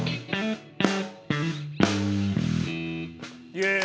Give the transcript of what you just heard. イエーイ！